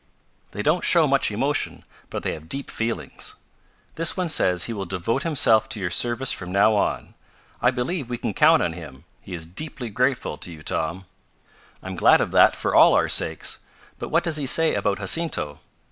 They don't show much emotion, but they have deep feelings. This one says he will devote himself to your service from now on. I believe we can count on him. He is deeply grateful to you, Tom." "I'm glad of that for all our sakes. But what does he say about Jacinto?"